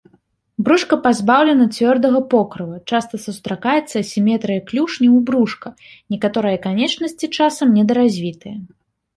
Брушка пазбаўлена цвёрдага покрыва, часта сустракаецца асіметрыя клюшняў і брушка, некаторыя канечнасці часам недаразвітыя.